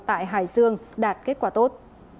tại hải dương đạt kết quả tốt